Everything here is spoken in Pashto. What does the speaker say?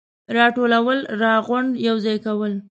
راټول ، راغونډ ، يوځاي کول,